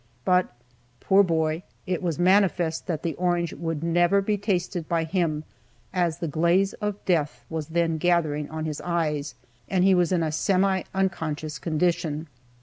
But, poor boy! it was manifest that that orange would never be tasted by him, as the glaze of death was then gathering on his eyes, and he was in a semi unconscious condition.